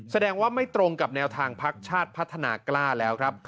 แสดงว่าไม่ตรงกับแนวทางพักชาติพัฒนากล้าแล้วครับ